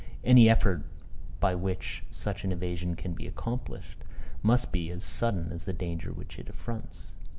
Any effort, by which such an evasion can be accomplished, must be as sudden as the danger which it affronts.